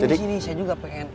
di sini saya juga pengen